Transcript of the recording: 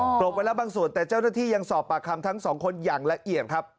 กรบไว้แล้วบางส่วนแต่เจ้าหน้าที่ยังสอบปากคำทั้งสองคนอย่างละเอียดครับ